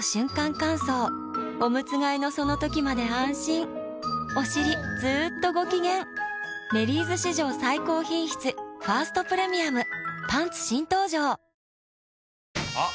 乾燥おむつ替えのその時まで安心おしりずっとご機嫌「メリーズ」史上最高品質「ファーストプレミアム」パンツ新登場！あっ！